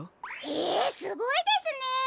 へえすごいですね！